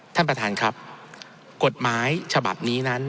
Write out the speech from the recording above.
ท่านประธานครับกฎหมายฉบับนี้นั้น